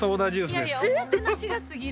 いやいやおもてなしがすぎる。